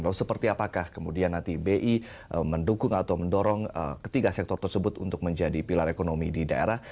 lalu seperti apakah kemudian nanti bi mendukung atau mendorong ketiga sektor tersebut untuk menjadi pilar ekonomi di daerah